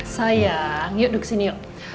sayang yuk di sini yuk